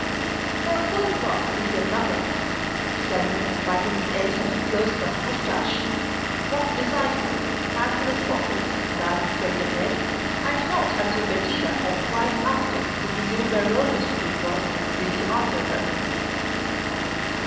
For a full block we said nothing. Selwyn, biting the ends of his close cut mustache, walked beside me, hands in his pockets and eyes straight ahead, and not until Bettina had twice asked him if he knew where Rowland Street was did he answer her.